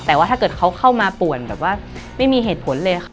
แต่ว่าถ้าเกิดเขาเข้ามาป่วนแบบว่าไม่มีเหตุผลเลยค่ะ